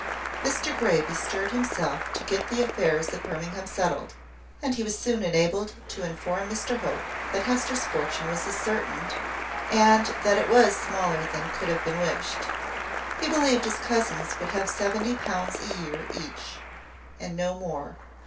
Mr Grey bestirred himself to get the affairs at Birmingham settled; and he was soon enabled to inform Mr Hope that Hester's fortune was ascertained, and that it was smaller than could have been wished. He believed his cousins would have seventy pounds a year each, and no more.